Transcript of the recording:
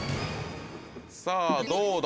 さぁどうだ？